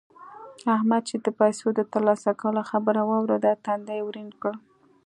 احمد چې د پيسو د تر لاسه کولو خبره واورېده؛ تندی يې ورين کړ.